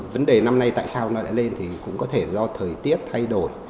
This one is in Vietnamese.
vấn đề năm nay tại sao nó lại lên thì cũng có thể do thời tiết thay đổi